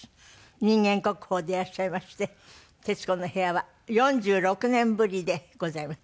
人間国宝でいらっしゃいまして『徹子の部屋』は４６年ぶりでございます。